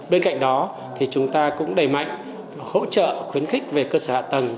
bên cạnh đó thì chúng ta cũng đầy mạnh hỗ trợ khuyến khích về cơ sở hạ tầng